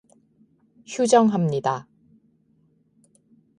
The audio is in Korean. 휴정합니다.